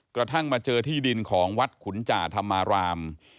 กระทั่งมาเจอที่ดินของวัดขุนจ่าธรรมราม